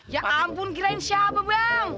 ya ampun kirain siapa bang